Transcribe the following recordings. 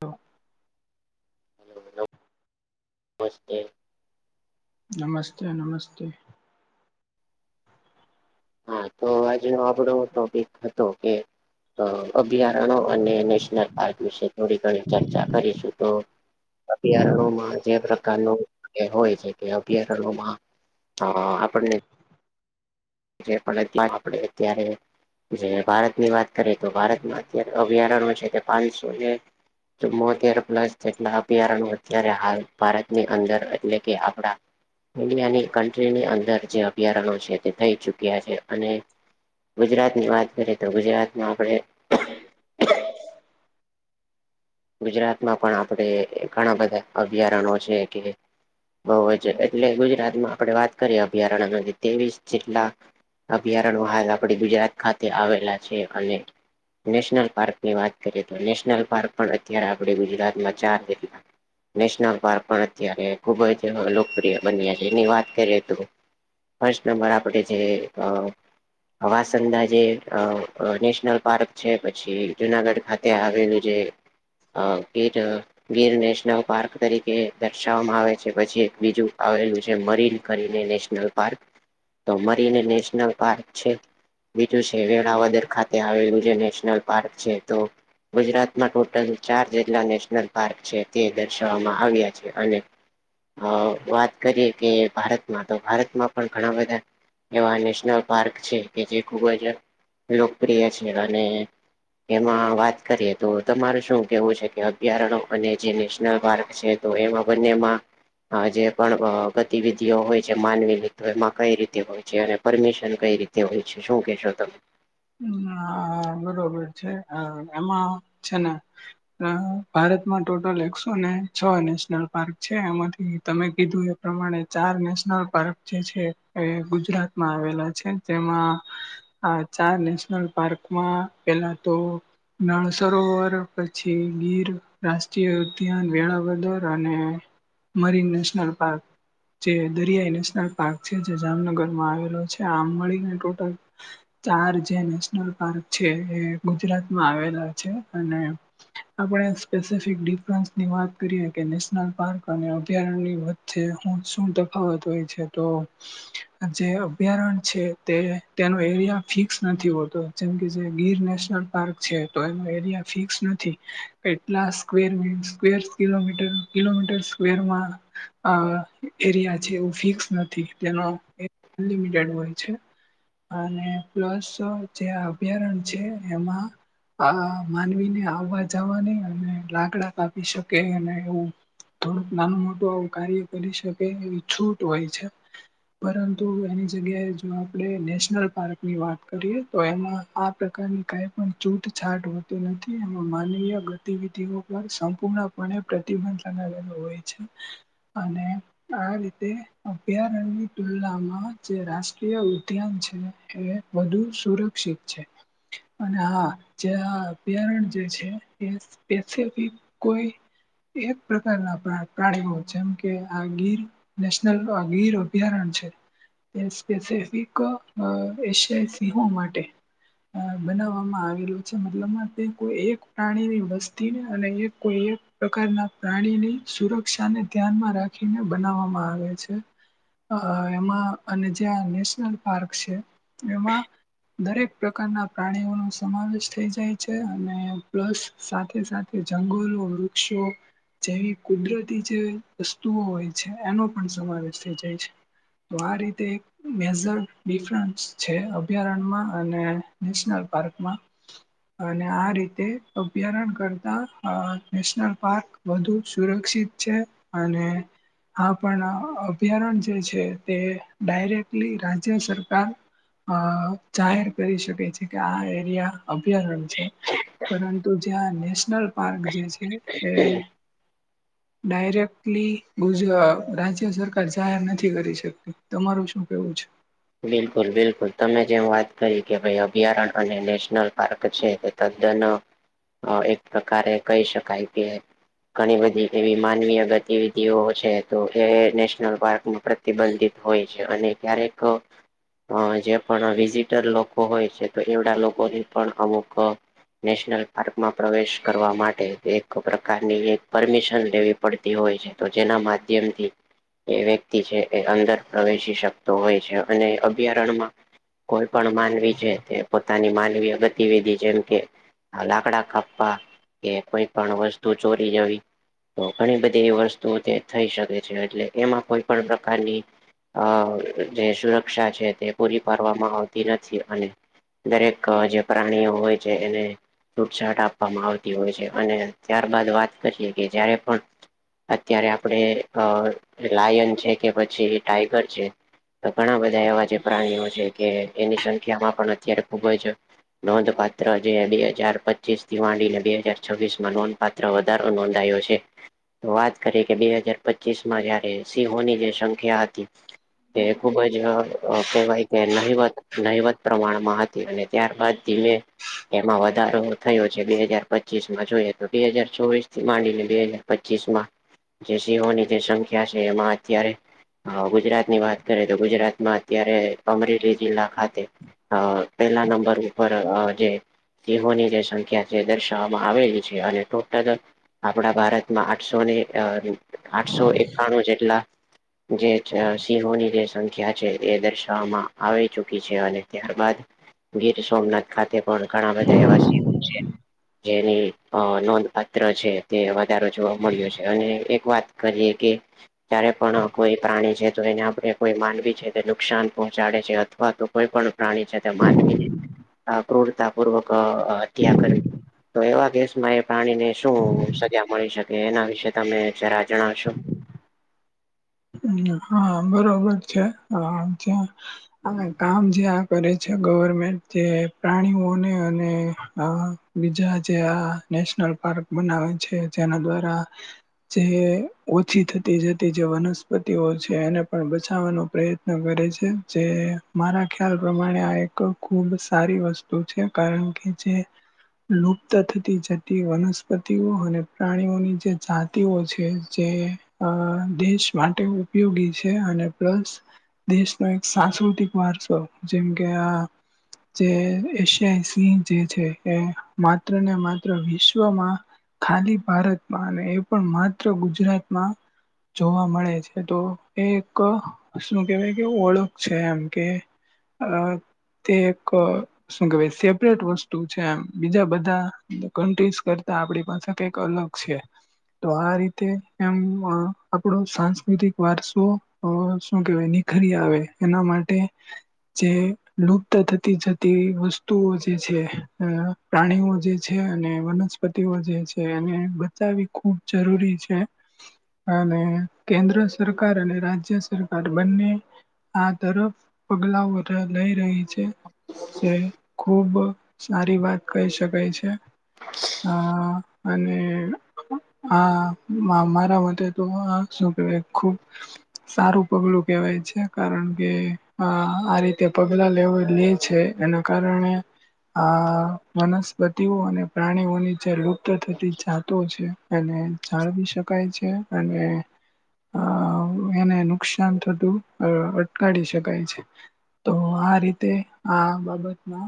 તો. હ [unintelligible] નમસ્તે નમસ્તે. હા, તો આજનો આપડો ટોપિક હતો કે અ અભયારણ્ય અને નેશનલ પાર્ક વિશે. થોડી ઘણી ચર્ચા કરીશું, તો અભયારણ્યમાં જે પ્રકારનું એ હોય છે કે, અભયારણ્યમાં અ આપણને પણ એટલા આપડે અત્યારે જે ભારતની વાત કરીએ તો, ભારતમાં અત્યારે અભયારણ્ય છે તે પાંચસોને મોટા પ્લસ જેટલા અભયારણ અત્યારે હાલ ભારતની અંદર, એટલે કે આપડા ઇન્ડિયાની કન્ટ્રી ની અંદર જે અભયારણો છે, તે. થઈ ચુક્યા છે, અને ગુજરાતની વાત કરીએ તો ગુજરાતમાં આપણે ગુજરાતમાં પણ આપણેે ઘણા બધા અભયારણો છે કે બહુ છે એટલે ગુજરાતમાં આપણે વાત કરીએ અભયારણ ત્રેવીસ જેટલા. અભયારણ હાલ આપણે ગુજરાત ખાતે આવેલા છે. અને નેશનલ પાર્કની વાત કરીએ તો, નેશનલ પાર્ક પણ અત્યારે આપણે ગુજરાતમાં ચાર જેટલા નેશનલ પાર્ક પણ અત્યારે ખુબ જ લોકપ્રિય બન્યા છે, એની વાત કરીએ તો ફર્સ્ટ નંબર આપડે જે વાસંદા જે અ નેશનલ પાર્ક છે, પછી જુનાગઢ ખાતે આવેલું છે. અ ગીર-ગીર નેશનલ પાર્ક તરીકે. દર્શાવવામાં આવે છે. પછી એક બીજું આવેલું છે, મરીન કરીને નેશનલ પાર્ક. તો મારીને નેશનલ પાર્ક છે. બીજું છે વેળાવદર ખાતે આવેલું, જે નેશનલ પાર્ક છે. તો ગુજરાતમાં ટોટલ ચાર જેટલા નેશનલ પાર્ક છે, તે દર્શાવવામાં આવ્યા છે. અને અ વાત કરીએ કે ભારતમાં, તો ભારતમાં પણ ઘણા બધા એવા નેશનલ પાર્ક છે, કે જે ખૂબ જ લોકપ્રિય છે. અને એમાં વાત કરીએ તો, તમારું શું કેવું છે કે, અભ્યારણ અને જે નેશનલ પાર્ક છે, તો એમાં બંનેમાં જે પણ ગતિવિધિઓ હોય છે, માની લીધો એમાં કઈ રીતે હોય છે અને પરમિશન કઈ રીતે તે હોય છે, શું કેહેશો તમે? હ, બરોબર છે એમાં છે ને. ભારતમાં ટોટલ એકસો ને છ નેશનલ પાર્ક છે, એમાંથી તમે કીધું એ પ્રમાણે ચાર નેશનલ પાર્ક જે છે, એ ગુજરાતમાં આવેલા છે, તેમાં હ, ચાર નેશનલ પાર્કમાં પેલા તો નળ સરોવર, પછી ગીર રાષ્ટ્રીય ઉદ્યાન, વેળાવદર અને મરીન નેશનલ પાર્ક. જે દરિયાઈ નેશનલ પાર્ક છે, જે જામનગરમાં આવેલો છે. આમ મળીને ટોટલ ચાર જે નેશનલ પાર્ક છે, એ ગુજરાતમાં આવેલા છે અને આપણે સ્પેસફિક ડિફરસની વાત કરીએ કે, નેશનલ પાર્ક અને અભયારણ્ય છે હુ શું તફાવત હોય છે તો જે અભ્યારણ છે, તે ત્યાંનું એરિયા ફિક્સ નથી હોતો, જેમકે જે ગીર નેશનલ પાર્ક છે, તો એનો એરિયા ફિક્સ નથી. એટલા square means square kilometre kilometre સ્ક્વેરમાં અ એરિયા છે, એવું ફિક્સ નથી. તેનો અનલિમિટેડ હોય છે. અને પ્લસ જે અભયારણ્ય છે, એમાં આ, માનવીને આવવા-જવાની અને લાાગડા કાપી શકે અને એવું થોડુંક નાનું-મોટું આવું કાર્ય કરી શકે, એવી છૂટ હોય છે. પરંતુ એની જગ્યાએ જો આપડે નેશનલ પાર્ક ની વાત કરીએ તો, એમાં આ પ્રકારની કઈ પણ છૂટછાટ હોતી નથી. એમાં માનવીય તે વિધિઓ પર સંપૂર્ણપણે પ્રતિબંધ લગાવેલો હોય છે, અને આ રીતે અભયારણની તુલનામાં જે રાષ્ટ્રીય ઉદ્યાન છે. એ વધુ સુરક્ષિત છે. અને હા જે આ અભ્યારણ જે છે એ પેસિફિક કોઈ એક પ્રકારના પ્રા પ્રાણીઓ જેમ કે આ ગીર. નેશનલ અ વીર અભયારણ છે, એ સ્પેસફિક અ સ્પેશીયલ સિંહો માટે અ બનાવવામાં આવેલુ છે, મતલબમાં તે કોઈ એક પ્રાણીની વસ્તીને અને એક કોઈ એક પ્રકારના પ્રાણીની સુરક્ષા ને ધ્યાનમાં રાખીને બનાવવામાં આવે છે. અ એમાં અને જ્યાં નેશનલ પાર્ક છે, એમાં દરેક પ્રકારના પ્રાણીઓ નુ સમાવેશ થઈ જાય છે, અને પ્લસ સાથે સાથે જંગલો, વૃક્ષો જેવી કુદરતી જે વસ્તુઓ હોય છે, એનો પણ સમાવેશ થઈ જાય છે. તો આ રીતે એક મેજર ડિફરન્સ છે, અભયારણ્યમાં અને નેશનલ પાર્કમાં. અને આ રીતે અભયારણ્ય કરતા અ નેશનલ પાર્ક વધુ સુરક્ષિત છે, અને હા પણ આ અભયારણ્ય જે છે તે ડાયરેકલી રાજ્ય સરકાર અ જાહેર કરી શકે છે કે આ એરિયા અભયારણ્ય છે. પરંતુ જ્યાં નેશનલ પાર્ક જે છે, એ ડાયરેક્ટલી ગુજ અ રાજ્ય સરકાર જાહેર નથી કરી શકતી. તમારું શું કેવું છે? બિલકુલ બિલકુલ, તમે જેમ વાત કરી કે ભાઈ અભ્યારણ્ય અને નેશનલ પાર્ક છે તે તદ્દન, અ એક પ્રકારે કહી શકાય કે ઘણી બધી એવી માનવીય ગતિવિધિઓ છે તો એ નેશનલ પાર્કમાં પ્ર તિબંધિત હોય છે, અને ક્યારેક હોય છે, પણ વિઝિટર લોકો હોય છે, તો એવડા લોકોની પણ અમુક નેશનલ પાર્ક માં પ્રવેશ કરવા માટે, એક પ્રકારની એક પરમિશન લેવી પડતી હોય છે, તો જેના માધ્યમથી એ વ્યક્તિ છે એ અંદર પ્રવેશી શકતો હોય છે, અને અભયારણમાં કોઈ પણ માનવી છે તે પોતાની માનવીય ગતિવિધિ જેમ કે લાકડા કાપવા, કે કોઈ પણ વસ્તુ ચોરી જવી. તો ઘણી બધી એવી વસ્તુ તે થઈ શકે છે, એટલે એમાં કોઈ પણ પ્રકારની અ જે સુરક્ષા છે તે પૂરી પાડવામાં આવતી નથી, અને દરેક જે પ્રાણીઓ હોય છે એને છૂટછાટ આપવામાં આવતી હોય છે, અને ત્યારબાદ વાત કરીએ કે જયારે પણ અત્યારે આપડે અ લાયન છે, કે પછી ટાઈગર છે. તો ઘણા બધા એવા જે પ્રાણીઓ છે કે એની સંખ્યામાં પણ અત્યારે ખુબ જ નોંધપાત્ર જે બે હજાર પચીસ થી વાડી બે હજાર છવ્વીસ માં નોંધ પાત્ર વધારો નોંધાયો છે. તો વાત કરી કે બે હજાર પચીસ માં જયારે સિંહોની જે સંખ્યા હતી એ ખુબ જ અ કહેવાય કે નહીવત નહીવત પ્રમાણમાં હતી અને ત્યારબાદ ધીમે એમાં વધારો થયો છે, બે હાજાર પચીસ માં જોઈએ તો બે હાજર ચોવીસ થી માંડીને બે હાજર પચીસ માં જે સિંહોની જે સંખ્યા છે, એમાં અત્યારે અ ગુજરાતની વાત કરે તો ગુજરાતમાં ત્યારે અમરેલી જિલ્લા ખાતે, અ પેલા નંબર ઉપર જે સીહોની જે સંખ્યા છે, દર્શાવવામાં આવેલી છે, અને ટોટલ આપણા ભારતમાં આઠસો ને અ આઠસો એકાણું જેટલા જે સિંહોની જે સંખ્યા છે. એ દર્શાવવામાં આવી ચુકી છે અને ત્યારબાદ ગીર સોમનાથ ખાતે પણ ઘણા બધા એવા સીવો છે. જેની અ નોંધપાત્ર છે તે વધારો જોવા મળ્યો છે અને એક વાત કરીએ કે જ્યારે પણ કોઈ પ્રાણી છે તો એને આપણે કોઈ માનવી છે. એ નુકસાન પહોંચાડે છે અથવા તો કોઈ પણ પ્રાણી છે તે માનવીને આ ક્રૂડ તા પૂર્વક હત્યા કરવી તો એવા કેસમાં એ પ્રાણીને શું સજા મળી શકે એના વિશે તમે જરા જણાવશો હા બરોબર છે હા ત્યાં કામ જે આ કરે છે ગવર્મેન્ટ જે પ્રાણીઓને અને અ બીજા જે આ નેશનલ પાર્ક બનાવે છે જેના દ્વારા જે ઓછી થતી જતી જે વનસ્પ પતિઓ છે એને પણ બચાવવાનો પ્રયત્ન કરે છે જે મારા ખ્યાલ પ્રમાણે આ એક ખુબ સારી વસ્તુ છે કારણ કે જે લુપ્ત થતી જતી વનસ્પતિઓ અને પ્રાણીઓની જે જાતિઓ છે જે અ દેશ માટે ઉપયોગી છે અને પ્લસ દેશનો એક સાંસ્કૃતિક વારસો જેમ કે આ જે એશિયાઈ સિંહ જે છે એ માત્ર ને માત્ર વિશ્વમાં ખાલી ભારતમાં અને એ પણ માત્ર ગુજરાતમાં જોવા મળે તો એ એક શું કેવાય કે ઓળખ છે એમ કે. અ તે એક શું કેવાય સેપરેટ વસ્તુ છે એમ બીજા બધા કન્ટ્રીઝ કરતા આપડી પાસે કઇક અલગ ક્ષે તો આ રીતે એમ અ આપડું સાઝ વિધિક વારસો અ શું કેવાય નિખરી આવે એના માટે જે લુપ્ત થતી જતી વસ્તુઓ જે છે અ પ્રાણીઓ જે છે અને વનસ્પતિઓ જે છે એને બચાવી ખૂબ જરૂરી છે. અને કેન્દ્ર સરકાર અને રાજ્ય સરકાર બંને આ તરફ પગલા વધા લઈ રહી છે. એ સાય ખુબ સારી વાત કહી શકાય છે. અ. અને આ મામારા વતે તો આ શું કેવાય ખૂબ સારું પગલું કેવાય છે કારણ કે આ આ રીતે પગલા લેવા જ લે છે. એના કારણે આ વનસ્પતિઓ અને પ્રાણીઓ ની જેલુપ ત થતી જાતો છે એને જાળવી શકાય છે અને આમ એને નુકસાન થતું અ અટકાડી શકાય છે. તો આ રીતે આ બાબતમા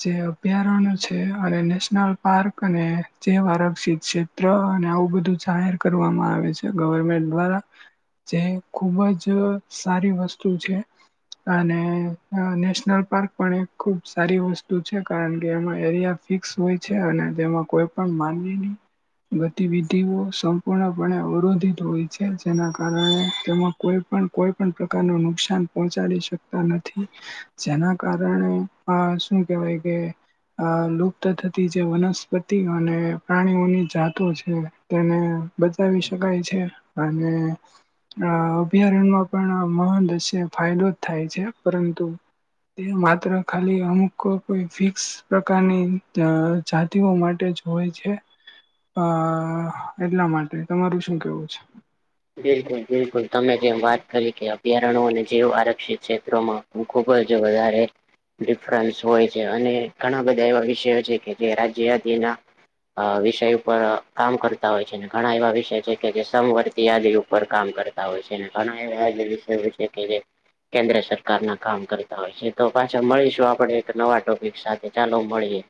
જે અભયારણ છે અરે નેશનલ પાર્ક અને જેવઆરક્ષિત છે. ત્ર અને આવું બધું જાહેર કરવામાં આવે છે ગવર્મેન્ટ દ્વારા જે ખુબ જ સારી વસ્તુ છે. અને અ નેશનલ પાર્ક પણ એક ખુબ સારી વસ્તુ છે કારણ કે એમાં એરિયા ફિક્સ હોય છે અને તેમાં કોઈ પણ માનવીની ગતિવિધિઓ સંપૂર્ણપણે અવરોધિત હોય છે જેના કારણે તેમાં કોઈ પણ કોઈ પણ પ્રકાર નું નુકસાન પોહોંચાડી શક તા નથી જેના કારણે આ શું કેવાય કે અ લુપ્ત થતી જે વનસ્પતિ અને પ્રાણીઓની જાતો છે. તેને બચાવી શકાય છે અને અ અભયારણમાં પણ આ મહંદશે ફાયદો ચ થાય છે પરંતુ તે માત્ર ખાલી અમુક કોઈ ફિક્સ પ્રકારની અ જાતિઓ માટે જ. હોય છે અ એટલા માટે તમારું શું કેવું છે? બિલકુલ બિલકુલ તમે જેમ વાત કરી કે અભયારણો અને જૈવ આરક્ષિત ક્ષેત્રોમાં હું ખુબ જ અ વધારે ડિફરન્સ હોય છે અને ઘણા બધા એવા વિષયો છે કે જે રાજય યાદીના અ વિષય ઉપર અ કામ કરતા હોય છે ને ઘણા એવા વિષય છે કે જે સમવર્ગ દી ઉપર કામ કરતા હોય છે ઘણા એવા વિષય છે કે જે કેન્દ્ર સરકારના કામ કરતા હોય છે તો પાછા મળીશું આપણે એક નવા ટોપિક સાથે ચાલો મળીએ.